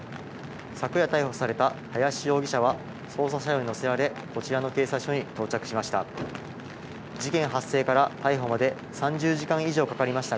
昨夜逮捕された林容疑者は、捜査車両に乗せられ、こちらの警察署に到着しました。